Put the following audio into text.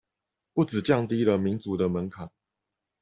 不只降低了民主的門檻